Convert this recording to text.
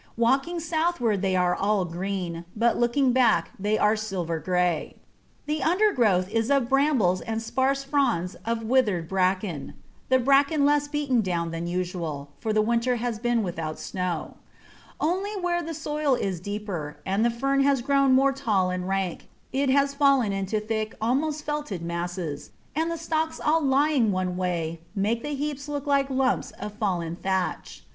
Walking southward they are all green, but looking back they are silver grey. The undergrowth is of brambles and sparse fronds of withered bracken; the bracken less beaten down than usual, for the winter has been without snow; only where the soil is deeper, and the fern has grown more tall and rank, it has fallen into thick, almost felted masses, and the stalks all lying one way make the heaps look like lumps of fallen thatch.